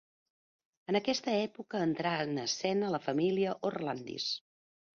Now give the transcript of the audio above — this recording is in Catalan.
En aquesta època entrà en escena la família Orlandis.